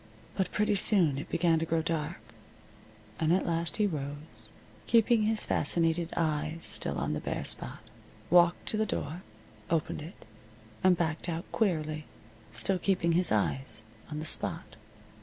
But pretty soon it began to grow dark, and at last he rose, keeping his fascinated eyes still on the bare spot, walked to the door, opened it, and backed out queerly, still keeping his eyes on the spot.